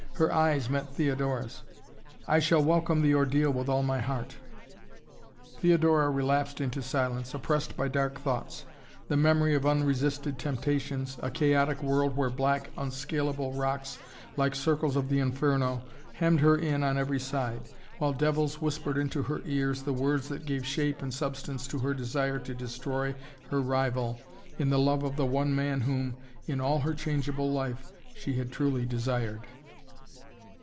Her eyes met Theodora's. "I shall welcome the ordeal with all my heart!" Theodora relapsed into silence, oppressed by dark thoughts, the memory of unresisted temptations, a chaotic world where black unscalable rocks, like circles of the Inferno, hemmed her in on every side, while devils whispered into her ears the words that gave shape and substance to her desire to destroy her rival in the love of the one man whom, in all her changeable life, she had truly desired.